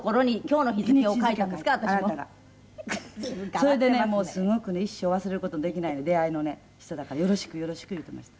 それでねもうすごくね一生忘れる事のできない出会いのね人だから「よろしくよろしく」言うてました。